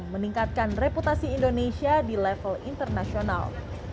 meningkatkan reputasi indonesia di level internasional